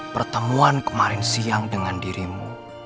pertemuan kemarin siang dengan dirimu